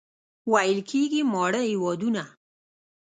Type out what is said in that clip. ویل کېږي ماړه هېوادونه.